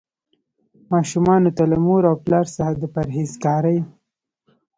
ماشومانو ته له مور او پلار څخه د پرهیزګارۍ.